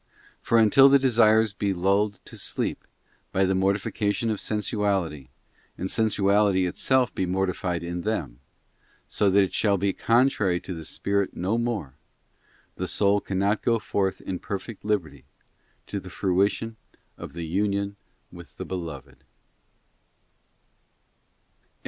For until : the desires be lulled to sleep by the mortification of sensuality, and sensuality itself be mortified in them, so that it shall be contrary to the spirit no more, the soul cannot go forth in perfect liberty to the fruition of the union with the Beloved.